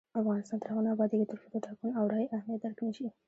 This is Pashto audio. افغانستان تر هغو نه ابادیږي، ترڅو د ټاکنو او رایې اهمیت درک نشي.